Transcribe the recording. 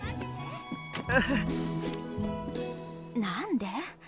何で？